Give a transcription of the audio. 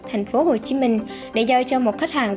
thành phố hồ chí minh để giao cho một khách hàng